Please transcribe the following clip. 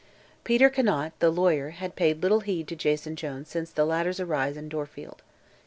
Peter Conant, the lawyer, had paid little heed to Jason Jones since the latter's arrival in Dorfield.